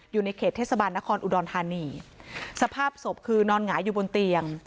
อยู่ในเขตเทศบาลนครอุดรธานีสภาพศพคือนอนหงายอยู่บนเตียง